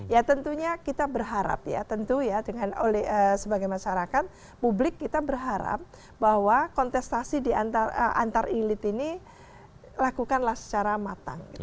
ya tentunya kita berharap ya tentu ya dengan sebagai masyarakat publik kita berharap bahwa kontestasi antar elit ini lakukanlah secara matang